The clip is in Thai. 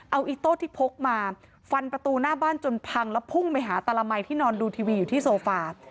เอาอิโต้ที่พกมาฟันประตูหน้าบ้านจนพังแล้วพุ่งไปหาตาละมัยที่นอนดูทีวีอยู่ที่โซฟา